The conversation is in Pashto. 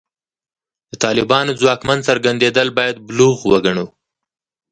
د طالبانو ځواکمن څرګندېدل باید بلوغ وګڼو.